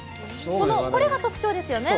これが特徴ですよね？